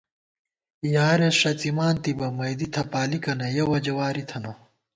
یارېس ݭڅِمان تِبہ مئیدی تھپالِکنہ یَہ وجہ واری تھنہ